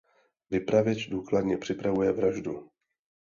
Vypravěč důkladně připravuje vraždu.